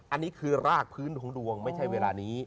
อันนี้คือรากพื้นของดวงไม่ใช่เวลานี้